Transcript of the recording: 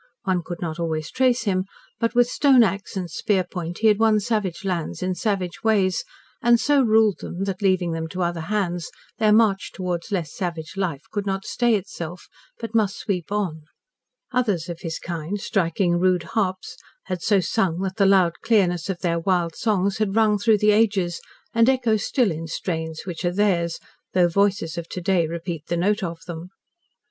One could not always trace him, but with stone axe and spear point he had won savage lands in savage ways, and so ruled them that, leaving them to other hands, their march towards less savage life could not stay itself, but must sweep on; others of his kind, striking rude harps, had so sung that the loud clearness of their wild songs had rung through the ages, and echo still in strains which are theirs, though voices of to day repeat the note of them.